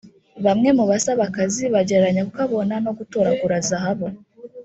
bamwe mu basaba akazi bagereranya kukabona no gutoragura zahabu